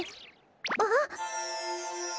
あっ！